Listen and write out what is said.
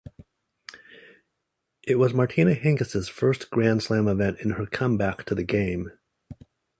It was Martina Hingis' first grand slam event in her comeback to the game.